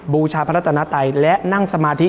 บูชาพระรัตนาไตยและนั่งสมาธิ